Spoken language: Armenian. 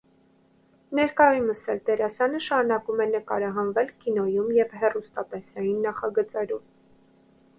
Ներկայումս էլ դերասանը շարունակում է նկարահանվել կինոյում և հեռուստատեսային նախագծերում։